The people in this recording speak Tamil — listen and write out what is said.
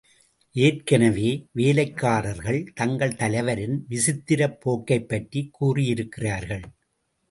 ஏற்கெனவே, வேலைக்காரர்கள் தங்கள் தலைவரின் விசித்திரப் போக்கைப் பற்றிக் கூறியிருக்கிறார்கள்.